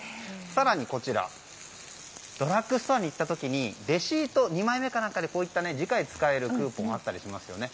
更にドラッグストアに行った時にレシート、２枚目とかで次回使えるクーポンがあったりしますよね